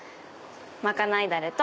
まかないダレと。